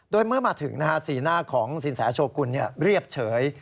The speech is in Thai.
โดยเมื่อมาถึงสีหน้าของสินแสโชกุลเรียบเฉย